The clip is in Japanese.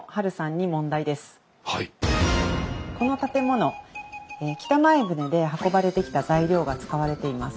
この建物北前船で運ばれてきた材料が使われています。